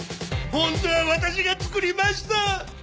本当は私が作りました！